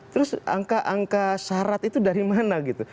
terus angka angka syarat itu dari mana gitu